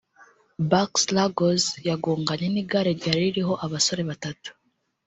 Barks-Ruggles yagonganye n’igare ryari ririho abasore batatu